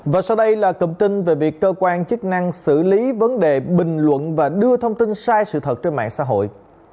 và sau đây là cầm tin về việc cơ quan chức năng xử lý vấn đề bình luận và đưa thông tin sai sự thật trên mạng xã hội